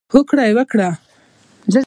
هوکړه یې وکړه.